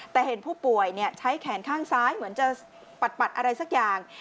แต่เห็นผู้ป่วยใช้แขนข้างซ้ายเหมือนจะปัดอะไรสักอย่าง